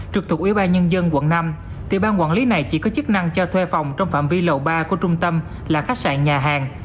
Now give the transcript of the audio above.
trực thuộc ủy ban nhân dân quận năm thì bang quản lý này chỉ có chức năng cho thuê phòng trong phạm vi lầu ba của trung tâm là khách sạn nhà hàng